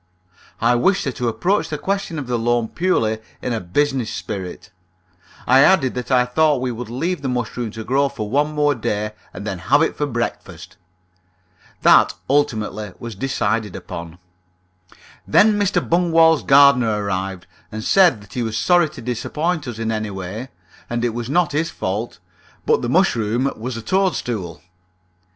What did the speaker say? I wished her to approach the question of the loan purely in a business spirit. I added that I thought we would leave the mushroom to grow for one more day, and then have it for breakfast. That ultimately was decided upon. Then Mr. Bungwall's gardener arrived, and said that he was sorry to disappoint us in any way, and it was not his fault, but the mushroom was a toadstool.